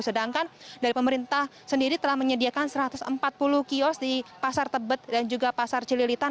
sedangkan dari pemerintah sendiri telah menyediakan satu ratus empat puluh kios di pasar tebet dan juga pasar cililitan